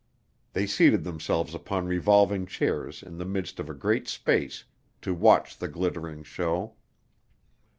They seated themselves upon revolving chairs in the midst of a great space to watch the glittering show.